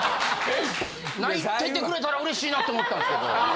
泣いててくれたら嬉しいなって思ったんですけど。